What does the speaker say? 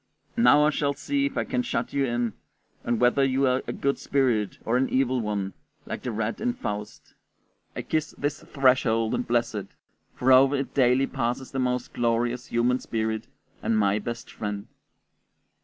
"Now I shall see if I can shut you in, and whether you are a good spirit or an evil one, like the rat in Faust; I kiss this threshold and bless it, for over it daily passes the most glorious human spirit and my best friend."